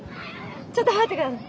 ちょっと待って下さい。